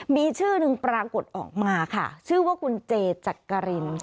มีชื่อหนึ่งปรากฏออกมาค่ะชื่อว่าคุณเจจักริน